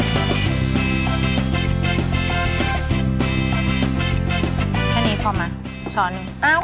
แค่นี้พอมั้ง